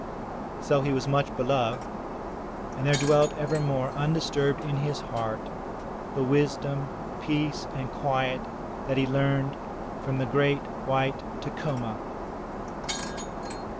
So he was much beloved, and there dwelt, evermore un disturbed in his heart, the wisdom, peace and quiet that he learned from the great white Tacoma.